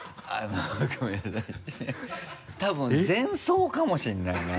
多分前奏かもしれないな。